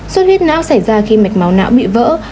suốt huyết não xảy ra khi mạch máu não bị vỡ